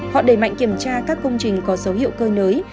họ đẩy mạnh kiểm tra các công trình có dấu hiệu cơ nới